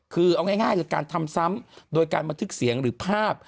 คือเอาง่ายคือการทำซ้ำโดยการบันทึกเสียงหรือภาพ